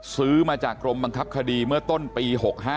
ซื้อมาจากกรมบังคับคดีเมื่อต้นปี๖๕